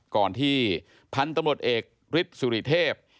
ก่อนที่พันธุ์ตำรวจเอกฤทธิ์สุริเทพ